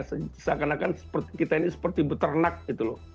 seakan akan kita ini seperti beternak gitu loh